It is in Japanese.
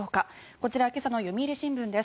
こちら、今朝の読売新聞です。